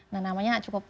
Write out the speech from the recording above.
nah namanya tidak cukup